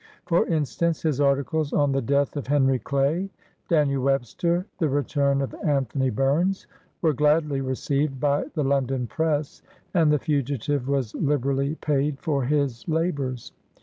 For instance, his articles on the death of Henry Clay, Daniel Webster, the return of Anthony Burns, were gladly received by the Lon don press, and the fugitive was liberally paid for his labors.